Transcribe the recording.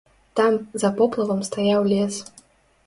Там за поплавам стаяў лес.